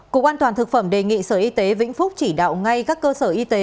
cục an toàn thực phẩm đề nghị sở y tế vĩnh phúc chỉ đạo ngay các cơ sở y tế